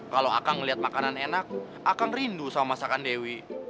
kalau akang melihat makanan enak akan rindu sama masakan dewi